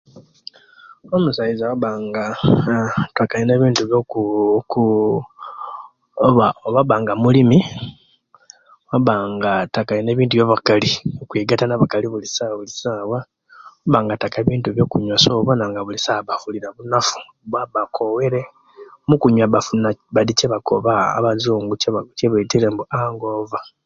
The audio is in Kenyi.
Omusaiza a abbanga nga ataka ino ebintu byo ku ku oba oba abbanga mulimi abbanga ataka ino ebintu byabakali okwegaita na abakali bulisawa bulisawa owaba nga ataka ebintu byo kunyuwa so obona nti bulisawa aba abulira bunafu kuba abba akowere mukunyuwa abba afuna bati chibakoba abazungu kye kye betere mbu hunger over